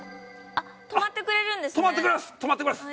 あっ、止まってくれるんですね。